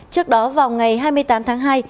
trước đó vào ngày hai mươi tám tháng hai